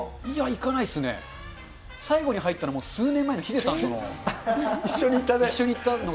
行かないですね、最後に入ったのも数年前のヒデさんとの。